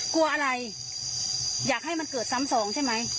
กลัวอะไรอยากให้มันเกิดซ้ำสองใช่ไหม